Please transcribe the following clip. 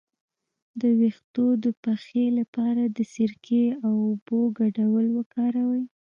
د ویښتو د پخې لپاره د سرکې او اوبو ګډول وکاروئ